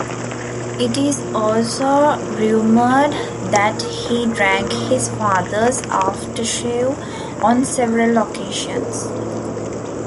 It is also rumored that he drank his father's aftershave on several occasions.